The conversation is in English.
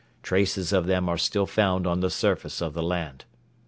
Traces of them are still found on the surface of the land.